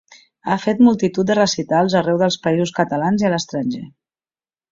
Ha fet multitud de recitals arreu dels Països Catalans i a l'estranger.